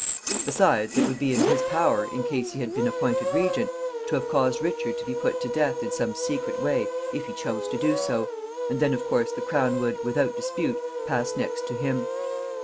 Besides, it would be in his power, in case he had been appointed regent, to have caused Richard to be put to death in some secret way, if he chose to do so, and then, of course, the crown would, without dispute, pass next to him.